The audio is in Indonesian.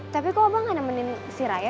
tapi kok aba enggak nemenin si raya